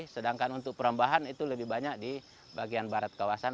sedangkan untuk perambahan itu lebih banyak di bagian barat kawasan